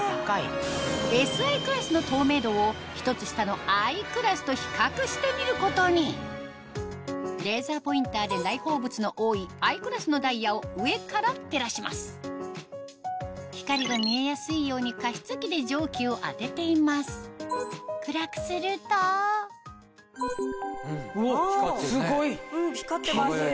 ＳＩクラスの透明度を１つ下のＩクラスと比較してみることにレーザーポインターで内包物の多いＩクラスのダイヤを上から照らします光が見えやすいように加湿器で蒸気を当てています暗くすると光ってるね。